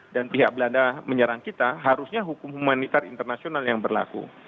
dan pihak belanda menyerang kita harusnya hukum humanitar internasional yang berlaku